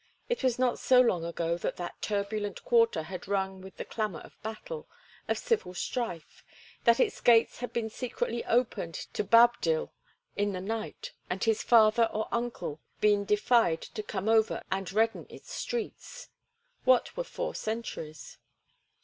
It was not so long ago that that turbulent quarter had rung with the clamor of battle, of civil strife, that its gates had been secretly opened to Boabdil in the night, and his father or uncle been defied to come over and redden its streets. What were four centuries?